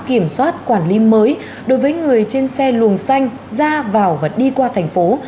kiểm soát quản lý mới đối với người trên xe luồng xanh ra vào và đi qua thành phố